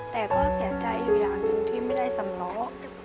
แต่ก็เสียใจอยู่อย่างหนึ่งที่ไม่ได้สำล้อ